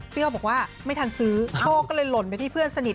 เขาบอกว่าไม่ทันซื้อโชคก็เลยหล่นไปที่เพื่อนสนิท